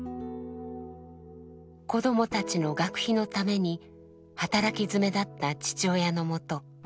子どもたちの学費のために働きづめだった父親のもと